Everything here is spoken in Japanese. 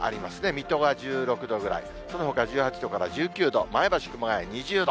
水戸が１６度ぐらい、そのほか１８度から１９度、前橋、熊谷２０度。